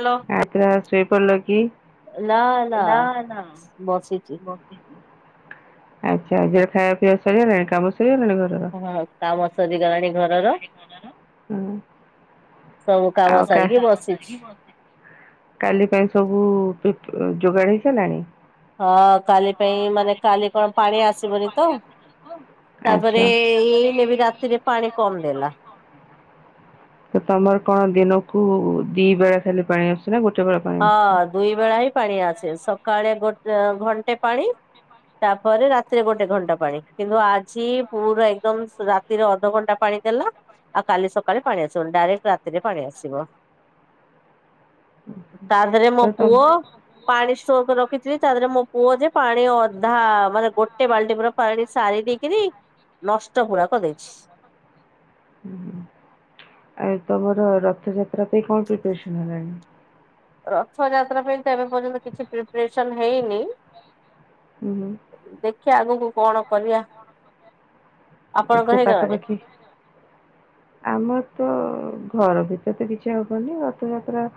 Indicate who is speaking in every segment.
Speaker 1: Hello.
Speaker 2: ଆ ପୁରା ଆଉ ଶୋଇପଡ଼ିଲ କି? ନା ନା
Speaker 1: ବସିଚି
Speaker 2: ବସିଚି। ଆଚ୍ଛା ଯଉ ଖାଇବା ପିଇବା ସରିଗଲାଣି କାମ ସରିଗଲାଣି ଘରର।
Speaker 1: ହଁ କାମ ସରି ଗଲାଣି ଘରର।
Speaker 2: ହୁଁ।
Speaker 1: ସବୁ କାମ
Speaker 2: ଆଉ କା ସବୁ
Speaker 1: ସାରିକି
Speaker 2: କାମ ସାରିକି
Speaker 1: ବସିଛି।
Speaker 2: କାଲି ପାଇଁ ସବୁ ଫୁ ଯୋଗାଡ ହେଇ ସାଇଲାଣି।
Speaker 1: ହଁ କାଲି ପାଇଁ ମାନେ କାଲି କଣ ପାଣି ଆସିବନି ତ ତାପରେ
Speaker 2: ଆଚ୍ଛା
Speaker 1: ଏଇ ନେବି ରାତିରେ ପାଣି କମ ଦେଲା।
Speaker 2: ସେ ତମର କଣ ଦିନକୁ ଦି ବେଳା ଖାଲି ପାଣି ଆସୁଛି ନା ଗୋଟେ ବେଳେ ପାଣି ଆସୁଛି।
Speaker 1: ହଁ ଦୁଇ ବେଳା ହିଁ ପାଣି ଆସେ ସକାଳେ ଗୋଟେ ଘଣ୍ଟେ ପାଣି ତାପରେ ରାତିରେ ଗୋଟେ ଘଣ୍ଟା ପାଣି କିନ୍ତୁ ଆଜି ପୁରା ଏକଦମ ସ ରା ତିରେ ଅଧଘଣ୍ଟା ପାଣି ଦେଲା ଆଉ କାଲି ସକାଳେ ପାଣି ଆସିବନି ଡାଇରେକ୍ଟ ରାତିରେ ପାଣି ଆସିବ। ତାର୍ ଦେରେ
Speaker 2: ତ
Speaker 1: ମୋ
Speaker 2: ତମ
Speaker 1: ପୁଅ
Speaker 2: ତାପରେ ମୋ ପୁଅ
Speaker 1: ପାଣି ଷ୍ଟୋର କରି
Speaker 2: ପାଣି
Speaker 1: ରଖିଥିଲି ତା
Speaker 2: ଷ୍ଟକ୍
Speaker 1: ଦେହରେ ମୋ
Speaker 2: ରଖିଛି।
Speaker 1: ପୁଅ ଯେ
Speaker 2: ତାପରେ
Speaker 1: ପାଣି
Speaker 2: ମୋ ପୁଅ ଯେ
Speaker 1: ଅଧା
Speaker 2: ପାଣି
Speaker 1: ମାନେ ଗୋଟେ ବାଲ୍ଟି ପୁରା
Speaker 2: ଗୋଟେ
Speaker 1: ପାଣି
Speaker 2: ବାଲ୍ଟି ପୁରା
Speaker 1: ସାରି ଦେଇକି
Speaker 2: ପାଣି
Speaker 1: କିରି
Speaker 2: ସାରି
Speaker 1: ନଷ୍ଟ
Speaker 2: ଦେଇକିରି
Speaker 1: ପୁରା କରି ଦେଇଛି।
Speaker 2: ହୁ ଆଉ ତମର ରଥଯାତ୍ରା ପାଇଁ କଣ ପ୍ରିପାରେସନ ହେଲାଣି।
Speaker 1: ରଥ ଯାତ୍ରା ପାଇଁ ତ ଏବେ ପର୍ଯ୍ୟନ୍ତ କିଛି ପ୍ରିପେରେସନ ହେଇନି।
Speaker 2: ହୁଁ ହୁଁ।
Speaker 1: ଦେଖିବା ଆଗକୁ କଣ କରିବା। ଆପଣଙ୍କ
Speaker 2: ସେ
Speaker 1: ହେଇଗଲାଣି?
Speaker 2: ପାଖାପାଖି ଆମର ତ ଘର ଭିତରେ ତ କିଛି ହବନି ରଥଯାତ୍ରା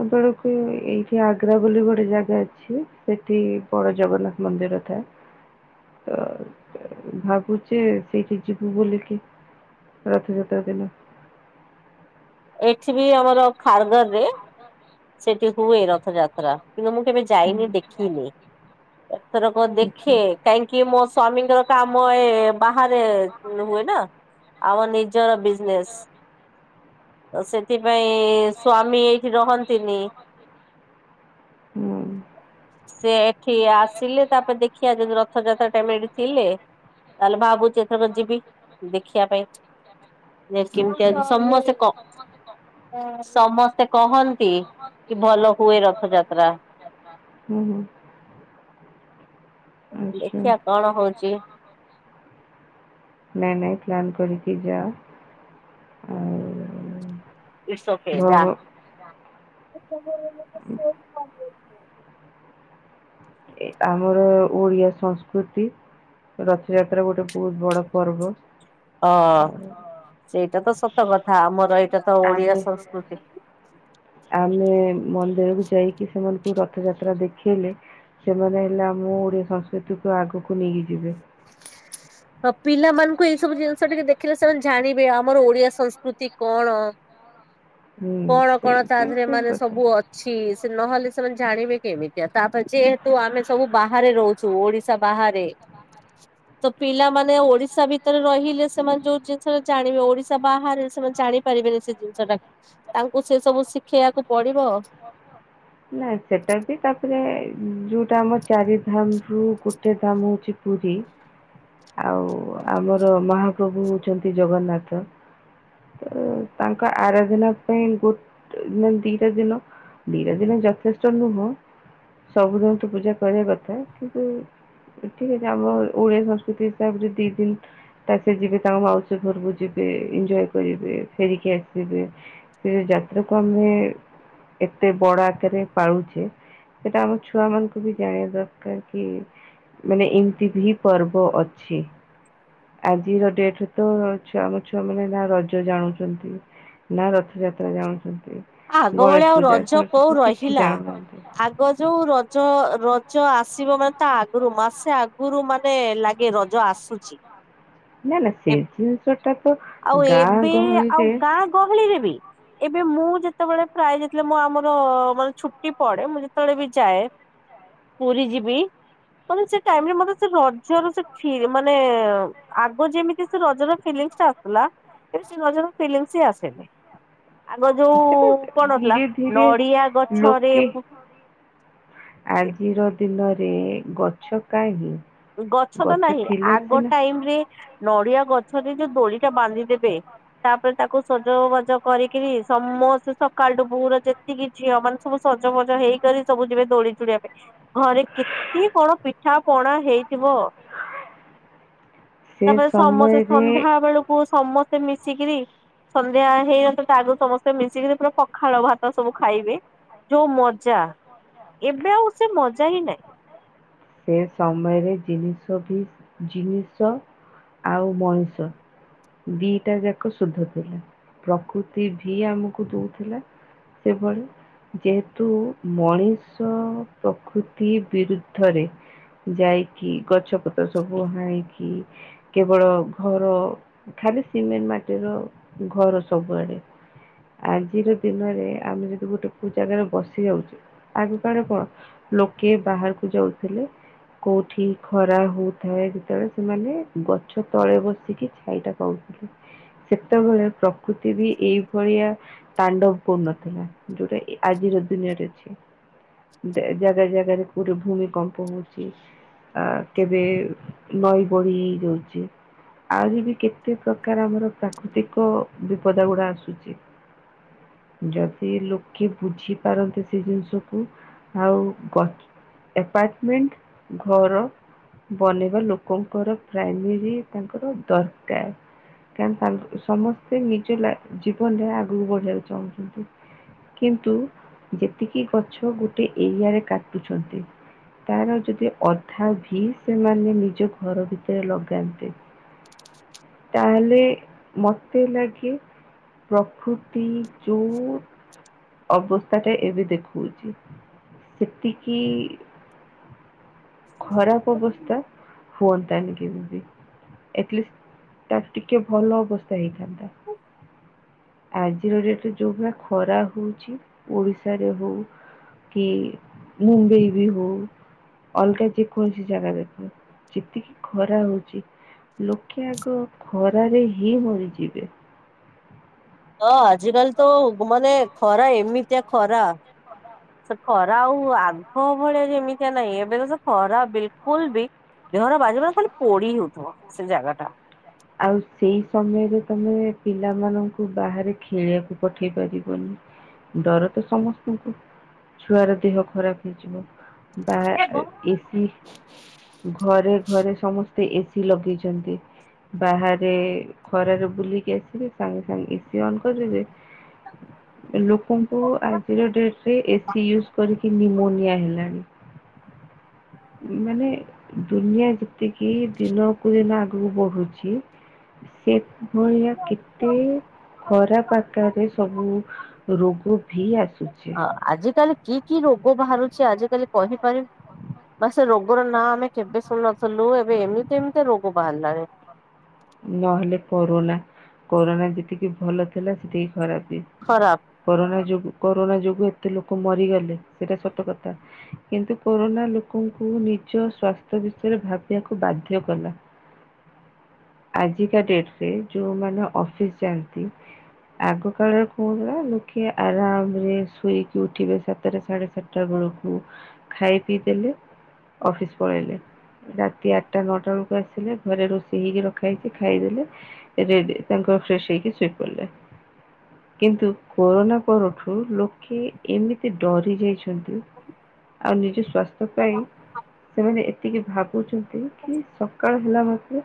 Speaker 2: ଆ ବଳକୁ ଏଇଠି ଆଗ୍ରା ବୋଲି ଗୋଟେ ଜାଗା ଅଛି ସେଠି-ଇ-ଇ ବଡ ଜଗନ୍ନାଥ ମନ୍ଦିର ଥାଏ। ତ-ଅ-ଅ ଭାବୁଛେ ସେଇଠି ଯିବୁ ବୋଲିକି ରଥଯାତ୍ରା ଦିନ।
Speaker 1: ଏକ୍ସି ବି ଆମର ଖାରଗାର ରେ ସେଠି ହୁଏ ରଥଯାତ୍ରା କିନ୍ତୁ ମୁଁ କେବେ
Speaker 2: ହୁଁ।
Speaker 1: ଯାଇନି ଦେଖିନି। ଏଥରକ
Speaker 2: ଆଚ୍ଛା।
Speaker 1: ଦେଖେ କାହିଁକି ମୋ ସ୍ଵାମୀଙ୍କର କାମ ଏ-ଏ ବାହାରେ ହୁଏ ନା। ଆମ ନିଜର ବିଜନେସ ତ ସେଥିପାଇଁ-ଇ-ଇ ସ୍ଵାମୀ ଏଇଠି ରହନ୍ତିନି।
Speaker 2: ହୁଁ।
Speaker 1: ସେ ଏଠି ଆସିଲେ ତାପରେ ଦେଖିବା ଯଦି ରଥଯାତ୍ରା ଟାଇମ ରେ ଏଠି ଥିଲେ ତାହେଲେ ଭାବୁଚି ଏଥର ଯିବି ଦେଖିବା ପାଇଁ। ଯେ କେମିତି
Speaker 2: ଆଚ୍ଛା।
Speaker 1: ଆଜି ସମସ୍ତେ କ ସମସ୍ତେ କହନ୍ତି କି ଭଲ ହୁଏ ରଥଯାତ୍ରା
Speaker 2: ହୁଁ ହୁଁ। ଆଛା।
Speaker 1: ଦେଖିବା କଣ ହଉଛି
Speaker 2: ନାଇ ନାଇ ପ୍ଲାନ କରିକି ଯାଅ। ଆଉ-ଉ-ଉ-ଉ-ଉ
Speaker 1: ଇଟ୍ସ ଓକେ ଯା।
Speaker 2: ହୁଁ ଏ ଆମର ଓଡିଆ ସଂସ୍କୃତି ରଥଯାତ୍ରା ଗୋଟେ ବହୁତ ବଡ ପର୍ବ।
Speaker 1: ହଁ-ଅ-ଅ
Speaker 2: ଆଉ
Speaker 1: ସେଇଟା ତ ସତ କଥା ଆମର ଏଇଟା ତ ଓଡିଆ
Speaker 2: ଆମେ
Speaker 1: ସଂସ୍କୃତି।
Speaker 2: ଆମେ-ଏ-ଏ ମନ୍ଦିରକୁୁ ଯାଇକି ସେମାନଙ୍କୁ ରଥଯାତ୍ରା ଦେଖେଇଲେ ସେମାନେ ହେଲା ଆ ମୁଁ ଓଡ଼ିଆ ସଂସ୍କୃତିକୁ ଆଗକୁ ନେଇକି ଯିବେ।
Speaker 1: ହଁ ପିଲାମାନଙ୍କୁ ଏଇ ସବୁ
Speaker 2: [unintelligible]
Speaker 1: ଜିନିଷ ଟିକେ ଦେଖିଲେ ସେମାନେ ଜାଣିବେ
Speaker 2: ହୁଁ
Speaker 1: ଆମର ଓଡିଆ ସଂସ୍କୃତି
Speaker 2: ସେଇଟା
Speaker 1: କଣ।
Speaker 2: ଠିକ୍
Speaker 1: କଣ କଣ ତା ଦେହରେ ମାନେ ସବୁ
Speaker 2: କଥା।
Speaker 1: ଅଛି ସେ ନହେଲେ ସେମାନେ ଜାଣିବେ କେମିତି ଆ ତାପରେ ଯେହେତୁ ଆମେ ସବୁ ବାହାରେ ରହୁ ଚୁ ଓଡିଶା ବାହାରେ। ତ ପିଲାମାନେ ଓଡିଶା ଭିତରେ ରହିଲେ ସେମାନେ ଯୋଉ ଜିନିଷ ଜାଣିବେ ଓଡିଶା ବାହାରେ ସେମାନେ ଜାଣି ପାରିବେନି ସେ ଜିନିଷ ଟାକୁ ତାଙ୍କୁ ସେ ସବୁ ଶିଖେଇବାକୁ ପଡିବ।
Speaker 2: ନା ସେଟା ବି ତାପରେ ଯୋଉଟା ଆମ ଚାରିଧାମ ରୁ ଗୋ ଟେ ଧାମ ହଉଛି ପୁରୀ। ଆଉ ଆମର ମହାପ୍ରଭୁ ହଉଛନ୍ତି ଜଗନ୍ନାଥ। ଉ-ଉ ତାଙ୍କ ଆରଧନା ପାଇଁ ଗୋଟେ ମାନେ ଦିଟା ଦିନ ଦିଟା ଦିନ ଯଥେଷ୍ଟ ନୁହଁ ସବୁଦିନ ତୁ ପୂଜା କରିବା କଥା କିନ୍ତୁ ଠିକ ଅଛି ଆମ-ଅ ଓଡ଼ିଆ ସଂସ୍କୃତି ହିସାବରେ ଦିଇ ଦିନ। ତା ସେ ଯିବେ ତାଙ୍କ ମାଉସୀ ଘରକୁ ଯିବେ ଏନଞ୍ଜୟ କରିବେ ଫେରିକି ଆସିବେ। ସେ ଯାତ୍ରା କୁ ଆମେ-ଏ ଏତେ ବଡ ଆ କାରରେ ପାଳୁଛେ ସେଟା ଆମ ଛୁଆ ମାନଙ୍କୁ ବି ଜାଣିବା ଦରକାର କି ମାନେ ଏମିତି ଭି ପର୍ବ ଅଛି। ଆଜିର ଡେଟ୍ ରେ ତ-ଅ-ଅ-ଅ ଛୁଆ ଆମ ଛୁଆ ମାନେ ନା ରଜ ଜାଣୁଛନ୍ତି ନା ରଥଯାତ୍ରା ଜାଣୁଛନ୍ତି।
Speaker 1: ଆଗ
Speaker 2: ଗଣେଶ
Speaker 1: ଭଳିଆ ଆଉ
Speaker 2: ପୂଜା,
Speaker 1: ରଜ
Speaker 2: ସରସ୍ୱତୀ
Speaker 1: କୋଉ
Speaker 2: ପୂଜା କିଛି
Speaker 1: ରହିଲା।
Speaker 2: ଜାଣୁନାହାନ୍ତି।
Speaker 1: ଆଗ ଯୋଉ ରଜ ରଜ ଆସିବ ମାନେ ତା ଆଗରୁ ମାସେ ଆ ଗରୁ ମାନେ ଲାଗେ ରଜ ଆସୁଛି।
Speaker 2: ନା ନା ସେ
Speaker 1: ଏବେ
Speaker 2: ଜିନିଷ ଟା ତ
Speaker 1: ଆଉ
Speaker 2: ଗାଁ
Speaker 1: ଏବେ ଆଉ
Speaker 2: ଗହଳିରେ
Speaker 1: ଗାଁ ଗହଳି ରେ ବି ଏବେ ମୁଁ ଯେତେବେଳେ ପ୍ରାୟ ଯେତେବେଳେ ମୁ ଆମର ମାନେ ଛୁଟି ପଡେ ମୁଁ ଯେତେବେଳେ ବି ଯାଏ ପୁରୀ ଯିବି ମାନେ ସେ ଟାଇମରେ ମତେ ସେ ରଜ ର ସେ ଫିର୍ ମାନେ-ଏ-ଏ-ଏ ଆଗ ଯେମିତି ସେ ରଜର ଫିଲିଙ୍ଗ୍ସ ଟା ଆସଥିୁଲା ଏବେ ସେ ରଜର ଫିଲିଙ୍ଗ୍ସ ହି ଆସେନି। ଆଗ
Speaker 2: ସେଟା
Speaker 1: ଯୋଉ କଣଥିଲା
Speaker 2: ଧୀରେ ଧୀରେ
Speaker 1: ନଡିଆ ଗଛରେ
Speaker 2: ଲୋକେ
Speaker 1: ପୁ
Speaker 2: ଆଜିର ଦିନରେ ଗଛ କାହିଁ।
Speaker 1: ଗଛ ତ ନାହିଁ
Speaker 2: ଥିଲେ
Speaker 1: ଆଗ
Speaker 2: ସିନା
Speaker 1: ଟାଇମ ରେ ନଡିଆ ଗଛରେ ଯୋଉ ଦୋଳି ଟା ବାନ୍ଧିଦେବେ। ତାପରେ ତାକୁ ସଜ ବାଜ କରିକିରି ସମସ୍ତେ ସକାଳଠୁ ପୁରା ଯେ ଯେତିକି ଝିଅ ମାନେ ସବୁ ସଜ ଫଜ ହେଇକରି ସବୁ ଯିବେ ଦୋଳି ଚଢ଼ିବା ପାଇଁ। ଘରେ କେତେ କଣ ପିଠା ପଣା ହେଇଥିବ।
Speaker 2: ସେ
Speaker 1: ତାପରେ ସମସ୍ତେ
Speaker 2: ସମୟରେ
Speaker 1: ସନ୍ଧ୍ୟା ବେଳକୁ ସମସ୍ତେ ମିଶିକିରି। ସନ୍ଧ୍ୟା ହେଇନଥିବ ତା ଆଗରୁ ସମସ୍ତେ ମିଶିକିରି ପୁରା ପଖାଳ ଭାତ ସବୁ ଖାଇବେ। ଯୋଉ ମଜା ଏବେ ଆଉ ସେ ମଜା ହିଁ ନାହିଁ।
Speaker 2: ସେ ସମୟରେ ଜିନିଷ ବି ଜିନିଷ ଆଉ ମଣିଷ। ଦିଟା ଯାକ ଶୁଦ୍ଧ ଥିଲା ପ୍ରକୃତି ଭି ଆମକୁ ଦଉଥିଲା। ସେଭଳି ଯେହେତୁ ମଣିଷ ପ୍ରକୃତି ବିରୁ ଧରେ ଯାଇକି ଗଛପତ୍ର ସବୁ ହାଣିକି। କେବଳ ଘର ଖାଲି ସିମେଣ୍ଟ ମାଟିର ଘର ସବୁଆଡେ। ଆଜିର ଦିନରେ ଆମେ ଯଦି ଗୋଟେ କୋଉ ଜାଗାରେ ବସି ଯାଉଛୁ। ଆଗ କାଳେ କଣ ଲୋକେ ବାହାରକୁ ଯାଉଥିଲେ। କୋଉଠି ଖରା ହଉଥାଏ ଯେତେବେଳେ ସେମାନେ ଗଛ ତଳେ ବସିକି ଛାଇଟା ପାଉ ସେତେବେଳେ ପ୍ରକୃତି ବି ଏଇଭଳିଆ ତାଣ୍ଡବ କରୁ ନଥିଲା। ଯୋଉଟା ଏ ଆଜିର ଦୁନିଆରେ ଅଛି ଦେ ଜାଗା ଜାଗାରେ ପୁର ଭୂମିକମ୍ପ ହଉଛି ଆ କେବେ ନଈ ବଢି ହେଇ ଯାଉଛି। ଆଉରି ବି କେତେ ପ୍ରକାର ଆମର ପ୍ରାକୃତିକ ବିପଦ ଗୁଡା ଆସୁଛି। ଯଦି ଲୋକେ ବୁଝିପାରନ୍ତେ ସେ ଜିନିଷକୁ ଆଉ ଗ ଏପାର୍ଟମେଣ୍ଟ ଘର। ବନେଇବା ଲୋକଙ୍କର ପ୍ରାଇମେରୀ ତାଙ୍କର ଦରକାର। କା ତାଙ୍କ ସମସ୍ତେ ନିଜ ଲା ଜୀବନରେ ଆଗକୁ ବଢିବାକୁ ଚାହୁଁଛନ୍ତି। କିନ୍ତୁ ଯେତିକି ଗଛ ଗୋଟେ ଏରିଆରେ କାଟୁଛନ୍ତି। ତାର ଯଦି ଅଧା ଭି ସେମାନେ ନିଜ ଘର ଭିତରେ ଲଗାନ୍ତେ। ତାହେଲେ ମତେ ଲାଗେ ପ୍ରକୃତି। ଚୁ। ଅବସ୍ଥା ଟେ ଏବେ ଦେଖଉଛି ସେତିକି। ଖରାପ୍ ଅବସ୍ଥା ହୁଅନ୍ତାନି କେବେ ବି। ଏଟଲିଷ୍ଟ୍ ତାଠୁ ଟିକେ ଭଲ ଅବସ୍ଥା ହେଇଥାନ୍ତା। ଆଜିର ଡେଟରେ ଯୋଉ ଭଳିଆ ଖରା ହଉଛି ଓଡିଶାରେ ହଉ। କି ମୁମ୍ବେଇ ବି ହଉ। ଅଲଗା ଯେକୌଣସି ଜାଗା ଦେଖ ଯେତିକି ଖରା ହଉଛି। ଲୋକେ ଆଗ ଖରାରେ ହିଁ ମରିଯିବେ।
Speaker 1: ହଁ ଆଜିିକାଲି ତ ବ ମାନେ ଖରା ଏମିତିଆ ଖରା। ସେ ଖରା ଆଉ ଆଗ ଭଳିଆ ଯେମିତିଆ ନାଇଁ ଏବେ ତ ସେ ଖରା ବିଲକୁଲ ବି। ଦେହରେ ବାଜିଲାକୁ ଖାଲି ପୋଡି ହଉଥିବ ସେ ଜାଗା ଟା।
Speaker 2: ଆଉ ସେଇ ସମୟରେ ତମେ ପିଲାମାନଙ୍କୁ ବାହାରେ ଖେଳିଆକୁ ପଠେଇ ପାରିବନି। ଡର ତ ସମସ୍ତିଙ୍କୁ ଛୁଆର ଦେହ ଖରାପ ହେଇଯିବ। ବାଆ ଏ
Speaker 1: ହଁ
Speaker 2: ଏ ସି। ଘରେ ଘରେ ସମସ୍ତେ ଏ ସି ଲଗେଇଛନ୍ତି। ବାହାରେ ଖରାରେ ବୁଲିକି ଆସିବେ ସାଙ୍ଗେ ସାଙ୍ଗେ ଏ ସିି ଅନ୍ କରିଦେବେ। ଏ ଲୋକଙ୍କୁ ଆଜିର ଡେଟ୍ ରେ ଏ ସି ୟୁଜ କରିକି ନିମୋନିଆ ହେଲାଣି। ମାନେ ଦୁନିଆ ଯେ ତିକି ଦିନକୁ ଦିନ ଆଗକୁ ବଢୁଛି। ସେ ଭଳିଆ କେତେ। ଖରାପ ଆକାରରେ ସବୁ ରୋଗ ବି ଆସୁଛି।
Speaker 1: ଆଜ କାଲି କି କି ରୋଗ ବାହାରୁଛି ଆଜ କାଲି କହି ପାରି ବା ସେ ରୋଗର ନାଁ ଆମେ କେବେ ଶୁଣି ନଥିଲୁ ଏବେ ଏମିତି ଏମିତି ରୋଗ ବାହାରିଲାଣି।
Speaker 2: ନହେଲେ କୋନା କରୋନା ଯେତିକି ଭଲ ଥିଲା ସେତିକି ଖରାପ ବି।
Speaker 1: ଖରାପ।
Speaker 2: କରୋନା ଯୋଗୁ କରୋନା ଯୋଗୁ ଏତେ ଲୋକ ମରିଗଲେ ସେଇଟା ସତ କଥା। କିନ୍ତୁ କୋରୋନା ଲୋକଙ୍କୁ ନିଜ ସ୍ବାସ୍ଥ୍ୟ ବିଷୟରେ ଭାବିବାକୁ ବାଧ୍ୟ କଲା। ଆଜିକା ଡେଟ ରେ ଯୋଉ ମାନେ ଅଫିସ ଯାଆନ୍ତି। ଆଗ କାଳରେ କଣ ଥିଲା ଲୋକେ ଆରାମ ରେ ଶୋଇକି ଉଠିବେ ସାତଟା ସାଢେ ସାତ ଟା ବେଳକୁ ଖାଇ ପିଇ ଦେଲେ। ଅଫିସ ପଳେଇଲେ ରାତି ଆଠଟା ନଅଟା ବେଳକୁ ଆସିଲେ ଘରେ ରଷେଇ ହେଇି ର ଖା ହେଇଛି ଖାଇଦେଲେ ରେଡି ତାଙ୍କର ଫ୍ରେସ ହେଇକି ଶୋଇ ପଡ଼ିଲେ। କିନ୍ତୁ କୋରୋନା ପରଠୁ ଲୋକେ ଏମିତି ଡରି ଯାଇଛନ୍ତି। ଆଉ ନିଜ ସ୍ୱାସ୍ଥ୍ୟ ପାଇଁ। ସେମାନେ ଏତିକି ଭାବୁଛନ୍ତି କି ସକାଳ ହେଲା ମାତ୍ରେ।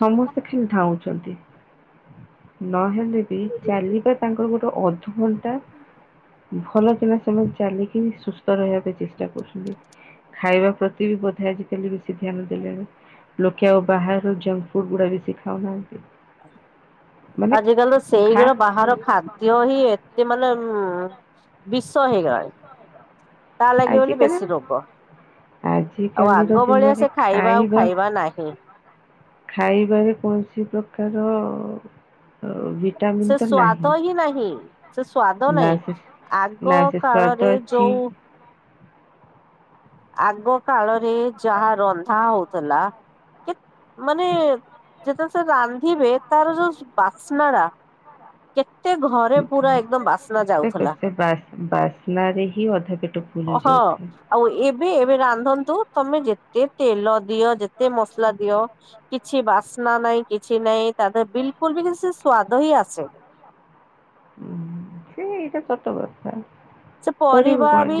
Speaker 2: ସମସ୍ତେ ଖାଲି ଧାଉଁଛନ୍ତି। ନହେଲେ ବି ଚାଲିବା ତାଙ୍କର ଗୋଟେ ଅଧଘଣ୍ଟା। ଭଲ ପିଲା ସେମାନେ ଚାଲିକି ସୁସ୍ଥ ରହିବା ପାଇଁ ଚେଷ୍ଟା କରୁଛନ୍ତି। ଖାଇବା ପ୍ରତି ବି ବୋଧେ ଆଜିକାଲି ବେଶୀ ଧ୍ୟାନ ଦେଲେଣି ଲୋକେ ଆଉ ବାହା ରୁ ଯଙ୍କ ଫୁଡ ଗୁଡା ବେଶି ଖାଉନାହାନ୍ତି। ମାନେ
Speaker 1: ଆଜ କାଲି ତ
Speaker 2: ଖା
Speaker 1: ସେଇଗୁର ବାହାର ଖାଦ୍ୟ ହିଁ ଏତେ ମାନେ ଉଁ। ବିଷ ହେଇଗଣି ତା ଲାଗି ବୋଲି
Speaker 2: ଆଜିକାଲି
Speaker 1: ବେଶୀ ରୋଗ। ଆଉ
Speaker 2: ଆଜିକାଲିର
Speaker 1: ଆଗ ଭଳିଆ
Speaker 2: ଦିନରେ
Speaker 1: ସେ ଖାଇବା ଆଉ ଖାଇବା ନାହିଁ।
Speaker 2: ଖାଇବା ରେ କୌଣସି ପ୍ରକାର। ଭିଟାମିିନ
Speaker 1: ସେ
Speaker 2: ତ ନାହିଁ
Speaker 1: ସ୍ଵାଦ ହିଁ ନାହିଁ ସେ ସ୍ଵାଦ
Speaker 2: ନା
Speaker 1: ନାହିଁ।
Speaker 2: ସେ
Speaker 1: ଆଗ
Speaker 2: ନା ସେ
Speaker 1: କାଳରେ
Speaker 2: ସ୍ବାଦ ଅଛି।
Speaker 1: ଯୋଉ ଆଗ କାଳରେ ଯାହା ରନ୍ଧା ହଉଥିଲା। କେ ମାନେ। ଯେତେବେଳେ ସେ ରାନ୍ଧିବେ ତାର ଯୋଉ ସ୍ ବାସ୍ନା ଟା। କେତେ ଘ
Speaker 2: ସେ ପ ସେ ବାସ୍ ବାସ୍ନ ରେ ହିଁ ଅଧା ପେଟ ଫୁଲି
Speaker 1: ହଁ।
Speaker 2: ଯାଉଥିଲା।
Speaker 1: ଆଉ ଏବେ ଏବେ ରାନ୍ଧନ୍ତୁ ତମେ ଯେତେ ତେଲ ଦିଅ ଯେତେ ମସଲା ଦିଅ। କିଛି ବାସ୍ନା ନାଇଁ କିଛି ନାଇଁ ତା ଦେହରେ ବିଲକୁଲ ବି କିଛି ସ୍ଵାଦ ହିଁ ଆସେନି।
Speaker 2: ଉଁ ହୁଁ ସେ ଏଇଟା ସତ କଥା।
Speaker 1: ସେ
Speaker 2: କରିବୁ
Speaker 1: ପରିବା
Speaker 2: କଁ
Speaker 1: ବି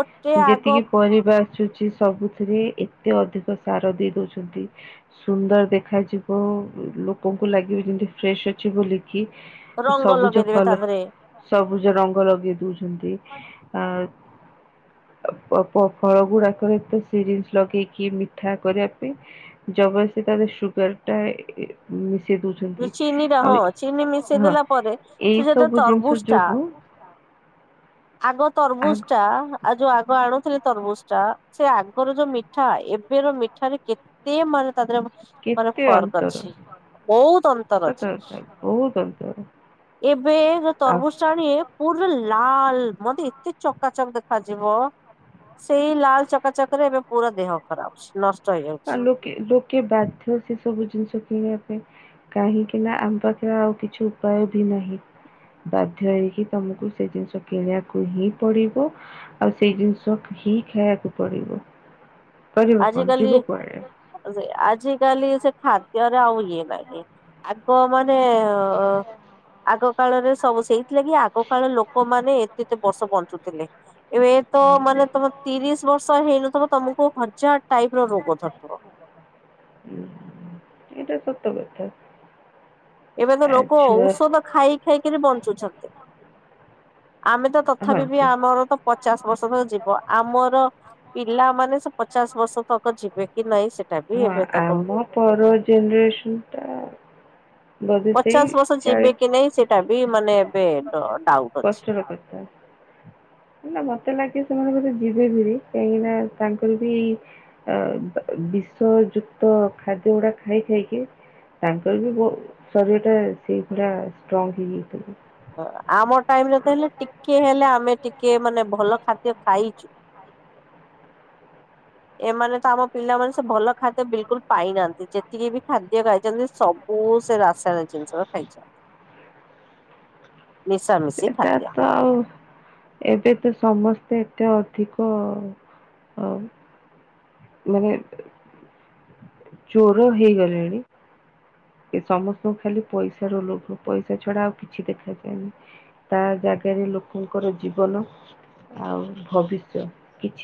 Speaker 1: ଗୋଟେ ଆଗ
Speaker 2: ଯେତିକି ପରିବା- ଆସଛି ସବୁଥିରେ ଏତେ ଅଧିକ ସାର ଦେଇ ଦଉଛନ୍ତି। ସୁନ୍ଦର ଦେଖାଯିବ ଲୋକଙ୍କୁ ଲାଗିବ ଯେମତି ଫ୍ରେଶ ଅଛି ବୋଲି କି
Speaker 1: ରଙ୍ଗ
Speaker 2: ସବୁଜ
Speaker 1: ଲଗେଇଦେବେ ତା
Speaker 2: କଲର
Speaker 1: ଦେହରେ
Speaker 2: ସବୁଜ ରଙ୍ଗ ଲଗେଇ ଦଉଛନ୍ତି। ଆ। ପ ଫ ଫଳ ଗୁଡାକରେ ତ ସିରିଞ ଲଗେଇକି ମିଠା କରିବା ପାଇଁ। ଜବରସ୍ତି ତା ଦେହେ ରେ ସୁଗାର ଟା ଏ ମିଶେଇ ଦଉଛନ୍ତି।
Speaker 1: ନୁ ଚିନି ରହ
Speaker 2: ଆଉ
Speaker 1: ଚିନି ମିଶେଇ
Speaker 2: ହଁ
Speaker 1: ଦେଲା ପରେ।
Speaker 2: ଏଇ
Speaker 1: ସେ ଯେତ
Speaker 2: ସବୁ ଜିନିଷ
Speaker 1: ତରବୁଜ ଟା
Speaker 2: ଯୋଗୁ
Speaker 1: ଆଗ
Speaker 2: ଆଗ
Speaker 1: ତରବୁଜ ଟା। ଟା ଆଉ ଯୋଉ ଆଗ ଆଣୁଥିଲେ ତରଭୁଜ ଟା ସେ ଆଗର ଯୋଉ ମିଠା ଏବେ ର ମିଠାରେ କେ ତେ ମାନେ ତା ଦେହରେ ମାନେ
Speaker 2: କେତେ
Speaker 1: ଫର୍କ
Speaker 2: ଅନ୍ତର
Speaker 1: ଅଛି ବହୁତ ଅନ୍ତର
Speaker 2: ସତ
Speaker 1: ଅଛି।
Speaker 2: କଥା ବହୁତ ଅନ୍ତର।
Speaker 1: ଏବେ ଯୋଉ
Speaker 2: ଆଉ
Speaker 1: ତରବୂଜ ଟା ଆଣିଏ। ପୁରା ଲାଲ୍ ମତେ ଏତେ ଚକାଚକ୍ ଦେଖାଯିବ। ସେଇ ଲାଲ୍ ଚକାଚକ୍ ରେ ଏବେ ପୁରା ଦେହ ଖରାପ ଅଛି ନ।
Speaker 2: ଆଉ ଲୋକେ ଲୋକେ ବାଧ୍ୟ ସେ ସବୁ ଜିନିଷ କିଣିବା ପାଇଁ। କାହିଁକି ନା ଆମ ପାଖରେ ଆଉ କିଛି ଉପାୟ ଭି ନାହିଁ। ବାଧ୍ୟ ହେଇକି ତମକୁ ସେ ଜିନିଷ କିଣିବାକୁ ହିଁ ପଡିବ। ଆଉ ସେଇ ଜିନିଷ ହିଁ ଖାଇବାକୁ ପଡିବ କରିବ କଣ ଯିବ। କୁଆଡେ
Speaker 1: ହଁ ସେୟା ଆଜିକାଲି ସେ ଖାଦ୍ୟରେ ଆଉ ଇଏ ନାହିଁ। ଆଗ ମାନେ ଆଗ କାଳରେ ସବୁ ସେଇ ସେଥିଲାଗି ଆଗ କାଳରେ ଲୋକମାନେେ ଏତେତେ ବର୍ଷ ବଞ୍ଚୁଥିଲେ ଏବେ ତ
Speaker 2: ହୁଁ
Speaker 1: ମାନେ ତମେ। ତିରିଶ ବର୍ଷ ହେଇନଥିବ ତମକୁ ହଜାର ଟାଇପ୍ ର ରୋଗ ଧରୁଥିବ।
Speaker 2: ଉଁ ହୁଁ ଏଇଟା ସତ କଥା।
Speaker 1: ଏବେ ତ
Speaker 2: ଆ
Speaker 1: ଲୋକ
Speaker 2: ଛୁଆ
Speaker 1: ଔଷଧ ଖାଇ ଖାଇକିରି ବଞ୍ଚୁଛନ୍ତି ଆମେ ତ
Speaker 2: ହଁ
Speaker 1: ତଥାପି ବି
Speaker 2: ଛୁ-
Speaker 1: ଆମର ତ ପଚାଶ ବର୍ଷ ପର୍ଯ୍ୟନ୍ତ ଯିବ ଆମର। ପିଲାମାନେ ସେ ପଚାଶ ବର୍ଷ ତକ ଯିବେ କି ନାଇଁ ସେ
Speaker 2: ହଁ ଆମ ପର ଜେନରେସନ୍ ଟା
Speaker 1: ପଚାଶ ବର୍ଷ ଯିବେ କି ନାଇଁ ସେଇଟା ବି ମାନେ ଏବେ ଡ ଡାଉଟ୍।
Speaker 2: କଷ୍ଟ ର କଥା। ନା ମତେ ଲାଗେ ସେମାନେ ବୋଧେ ଯିବେ ବୋଲି କାହିଁକି ନା ତାଙ୍କର ବି। ଆ ବିଷ ଯୁକ୍ତ ଖାଦ୍ୟ ଗୁଡା ଖାଇ ଖାଇକି। ତାଙ୍କର ବି ବ ଶରୀର ଟା ସେଇ ପୁରା ଷ୍ଟ୍ରଙ୍ଗ୍ ହେଇଯାଇଥିବ।
Speaker 1: ଆମ ଟାଇମ୍ ରେ ତ ହେଲେ ଟିକେ ହେଲେ ଆମେ ଟିକେ ମାନେ ଭଲ ଖାଦ୍ୟ ଖାଇଛୁ।
Speaker 2: [unintelligible]
Speaker 1: ଏମାନେ ତ ଆମ ପିଲାମାନେ ସବୁ ଭଲ ଖାଦ୍ୟ ବିଲକୁଲ୍ ପାଇନାହାନ୍ତି ଯେତିକି ବି ଖାଦ୍ୟ ଖାଇଛନ୍ତି ସବୁ। ବୁ ସେ ରାସାୟନିକ ଜିନିଷ ଖାଇଚ। ମିଶାମିଶି
Speaker 2: ସେଟା
Speaker 1: ଖାଦ୍ୟ।
Speaker 2: ତ ଆଉ। ଏବେ ତ ସମସ୍ତେ ଏତେ ଅଧିକ। ମାନେ ଚୋର ହେଇଗଲେଣି। ଏ ସମସ୍ତଙ୍କୁ ଖାଲି ପଇସା ର ଲୋଭ ପଇସା ଛଡା ଆଉ କିଛି ଦେଖାଯାଏନି। ତା ଜାଗାରେ ଲୋକଙ୍କର ଜୀବନ ଆଉ ଭବିଷ୍ୟ। କିଛି